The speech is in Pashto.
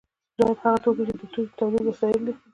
دویم هغه توکي دي چې د تولید وسایل دي.